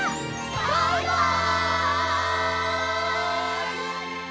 バイバイ！